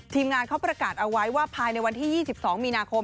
งานเขาประกาศเอาไว้ว่าภายในวันที่๒๒มีนาคม